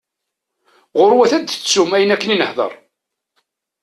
Ɣur-wat ad tettum ayen akken i nehder.